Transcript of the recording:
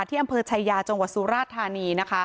ที่อำเภอชายาจังหวัดสุราชธานี